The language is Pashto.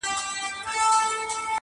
د پيل ورځ بيا د پرېکړې شېبه راځي ورو,